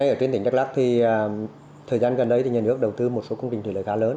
ở trên tỉnh đắk lắc thì thời gian gần đây nhà nước đầu tư một số công trình thủy lợi khá lớn